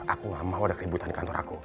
aku gak mau ada keributan di kantor aku